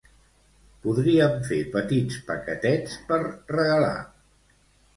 Podríem fer petits paquetets per regalar.